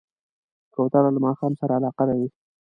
کوتره له ماښام سره علاقه لري.